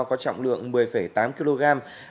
có trọng lượng một mươi tám kg